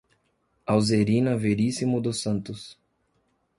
Alzerina Verissimo dos Santos